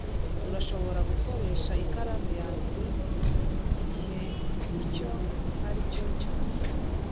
Urashobora gukoresha ikaramu yanjye igihe icyo aricyo cyose.